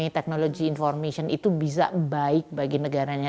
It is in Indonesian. teknologi information itu bisa baik bagi negaranya